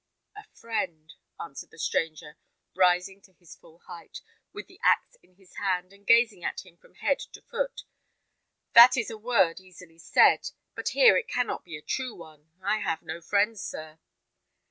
"A friend," answered the stranger, rising to his full height, with the axe in his hand, and gazing at him from head to foot; "that is a word easily said; but here it cannot be a true one. I have no friends, sir."